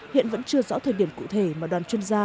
hiện vẫn chưa rõ thời điểm cụ thể mà đoàn chuyên gia